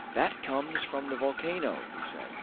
"That comes from the volcano," he said.